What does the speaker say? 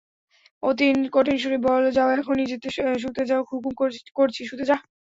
অতীন কঠিন সুরে বললে, যাও এখনই শুতে যাও, হুকুম করছি শুতে যাও।